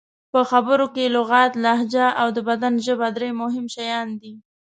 په خبرو کې لغت، لهجه او د بدن ژبه درې مهم شیان دي.